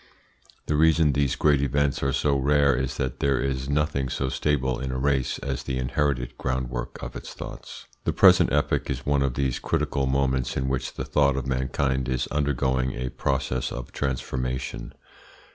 The reason these great events are so rare is that there is nothing so stable in a race as the inherited groundwork of its thoughts. The present epoch is one of these critical moments in which the thought of mankind is undergoing a process of transformation.